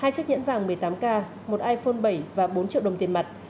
hai chiếc nhẫn vàng một mươi tám k một iphone bảy và bốn triệu đồng tiền mặt